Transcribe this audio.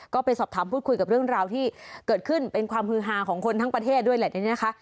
ก็ไปสอบถามพูดคุยกับเรื่องราวที่เกิดขึ้นเป็นความฮือฮาของคนทั้งประเทศด้วยแหละเนี่ยนะคะ